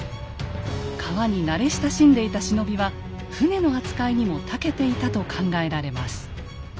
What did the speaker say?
川に慣れ親しんでいた忍びは舟の扱いにもたけていたと考えられます。